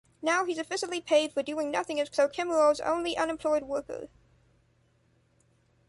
Now he's officially paid for doing nothing as Clochemerle's only unemployed worker.